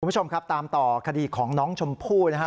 คุณผู้ชมครับตามต่อคดีของน้องชมพู่นะฮะ